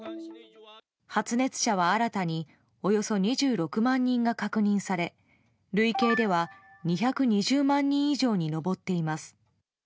発熱者は新たにおよそ２６万人が確認され累計では、２２０万人以上に上っています。